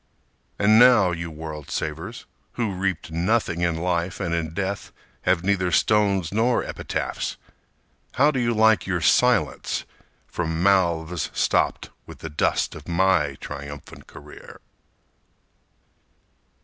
_ And now, you world savers, who reaped nothing in life And in death have neither stones nor epitaphs, How do you like your silence from mouths stopped With the dust of my triumphant career?